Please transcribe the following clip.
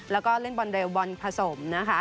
แล้วก็เล่นบอลเร็วบอลผสมนะคะ